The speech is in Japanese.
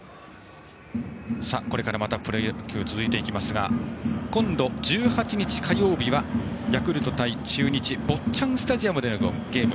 これからまたプロ野球が続きますが今度、１８日火曜日はヤクルト対中日坊っちゃんスタジアムでのゲーム。